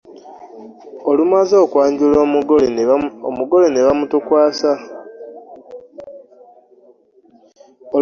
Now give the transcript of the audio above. Olumaze okwanjula omugole nebamutukuwasa tugende naye.